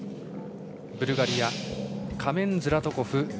ブルガリアカメン・ズラトコフ。